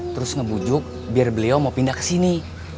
terus ngebujuk biar beliau mau pindah kesini